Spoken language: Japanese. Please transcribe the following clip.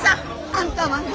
あんたはな。